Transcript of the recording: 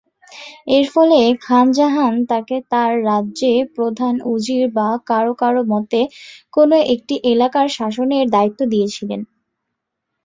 এর ফলে খান জাহান তাকে তার রাজ্যে প্রধান উজির বা কারো কারো মতে, কোন একটি এলাকার শাসনের দায়িত্ব দিয়েছিলেন।